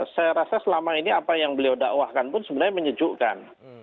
saya rasa selama ini apa yang beliau dakwahkan pun sebenarnya menyejukkan